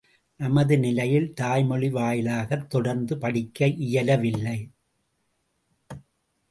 நமது நிலையில் தாய்மொழி வாயிலாகத் தொடர்ந்து படிக்க இயலவில்லை.